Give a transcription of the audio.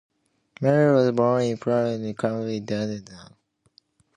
Milburn was born in Burnopfield, County Durham.